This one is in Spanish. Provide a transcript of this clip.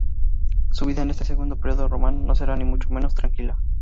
Su vida en este segundo periodo romano no será, ni mucho menos, tranquila.